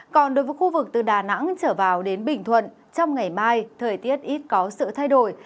còn đối với khu vực từ đà nẵng trở vào đến bình thuận trong ngày mai thời tiết ít có sự thay đổi